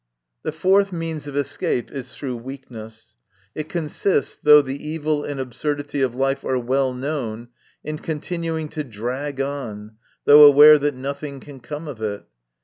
The fourth means of escape is through weakness. It consists, though the evil and absurdity of life are well known, in continuing to drag on, though aware that nothing can come of it.